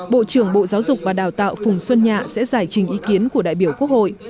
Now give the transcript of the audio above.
bộ trưởng bộ giáo dục và đào tạo phùng xuân nhạ sẽ giải trình ý kiến của đại biểu quốc hội